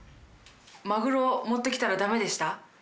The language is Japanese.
マグロ持ってきたら駄目でした？